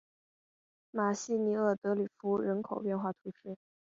马西尼厄德里夫人口变化图示